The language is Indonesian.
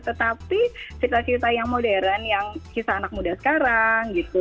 tetapi cerita cerita yang modern yang kisah anak muda sekarang gitu